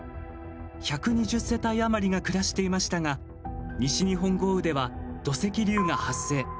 １２０世帯あまりが暮らしていましたが西日本豪雨では土石流が発生。